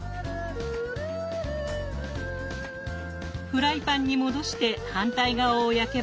フライパンに戻して反対側を焼けば完成です。